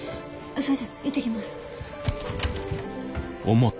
それじゃあ行ってきます。